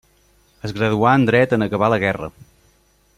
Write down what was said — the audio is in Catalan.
Es graduà en Dret en acabar la guerra.